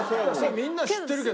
みんな知ってるけど。